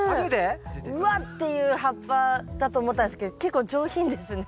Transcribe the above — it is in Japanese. うわっていう葉っぱだと思ったんですけど結構上品ですね。